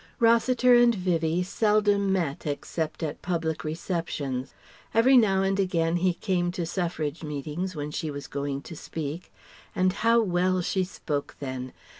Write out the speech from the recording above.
Rossiter and Vivie seldom met except at public receptions. Every now and again he came to Suffrage meetings when she was going to speak; and how well she spoke then!